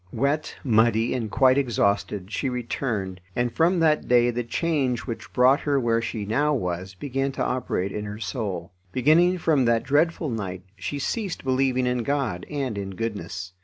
Wet, muddy, and quite exhausted, she returned, and from that day the change which brought her where she now was began to operate in her soul. Beginning from that dreadful night, she ceased believing in God and in goodness.